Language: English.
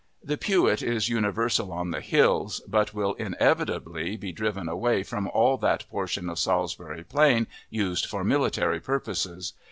The pewit is universal on the hills, but will inevitably be driven away from all that portion of Salisbury Plain used for military purposes.